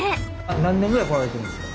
何年ぐらい来られてるんですか？